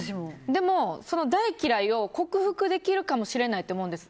でもその大嫌いを克服できるかもしれないと思うんです。